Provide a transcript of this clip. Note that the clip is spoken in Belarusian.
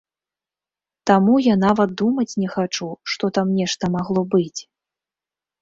Таму я нават думаць не хачу, што там нешта магло быць.